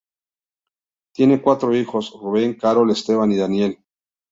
Tiene cuatro hijos, Ruben, Carol, Esteban y Daniel.